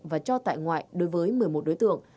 và cho tại ngoại đối với một mươi một đối tượng